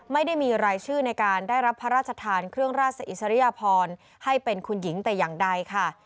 ไม่ได้มีรายชื่อในการได้รับพระราชทานเครื่องราชอิสริยพรให้เป็นคุณหญิงแต่อย่างใดค่ะ